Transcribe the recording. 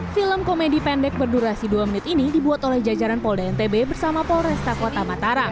film komedi pendek berdurasi dua menit ini dibuat oleh jajaran polda ntb bersama polresta kota mataram